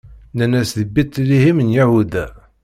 Nnan-as: Di Bit-Liḥim n Yahuda.